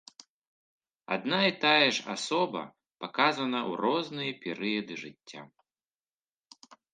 Адна і тая ж асоба паказана ў розныя перыяды жыцця.